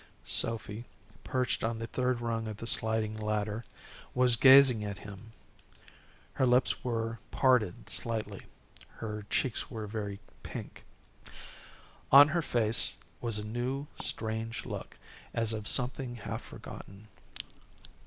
Sophy, perched on the third rung of the sliding ladder, was gazing at him. Her lips were parted slightly, and her cheeks were very pink. On her face was a new, strange look, as of something half forgotten.